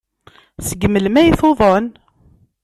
Seg melmi ay tuḍen?